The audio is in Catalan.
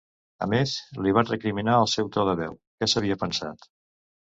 A més, li vaig recriminar el seu to de veu, què s'havia pensat!